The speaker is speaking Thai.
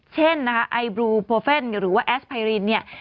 เช่นไอบลูโปรเฟนต์หรือว่าแอสไพรินต์